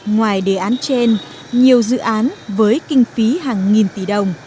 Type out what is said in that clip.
ngoài đề án trên nhiều dự án với kinh phí hàng nghìn tỷ đồng